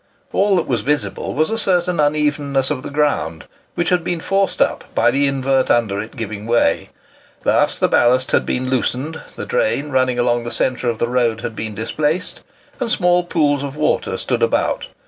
All that was visible was a certain unevenness of the ground, which had been forced up by the invert under it giving way; thus the ballast had been loosened, the drain running along the centre of the road had been displaced, and small pools of water stood about.